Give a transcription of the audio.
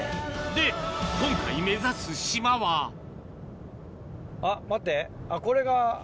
で今回目指す島はあっ待って。